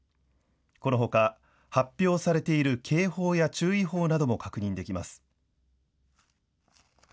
このほか発表されている警報や注意報なども確認できます。